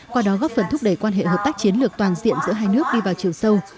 qua đó góp phần thúc đẩy quan hệ hợp tác chiến lược toàn diện giữa hai nước đi vào chiều sâu